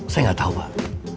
saya nggak tahu pak